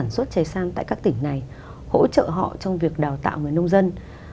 sản xuất trèo san tại các tỉnh này hỗ trợ họ trong việc đào tạo người nông dân